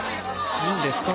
いいんですか？